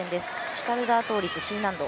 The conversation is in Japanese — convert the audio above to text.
シュタルダー倒立、Ｃ難度。